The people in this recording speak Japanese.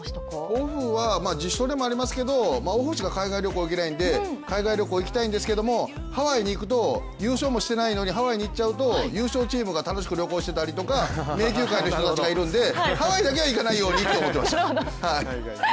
オフは自主トレもありますけれども、オフしか海外旅行行けないんで海外旅行に行きたいんですけどハワイに行くと、優勝もしてないのに、ハワイに行っちゃうと優勝チームが楽しく旅行してたりとか名球会の人たちがいるのでハワイだけは行かないようにと思ってました。